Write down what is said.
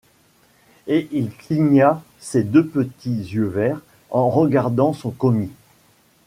Et il cligna ses deux petits yeux verts en regardant son commis.